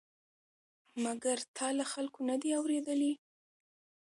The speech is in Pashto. مګر تا له خلکو نه دي اورېدلي؟